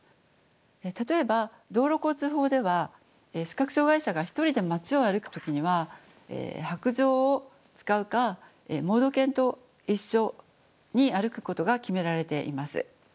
例えば道路交通法では視覚障害者が一人で街を歩く時には白杖を使うか盲導犬と一緒に歩くことが決められています。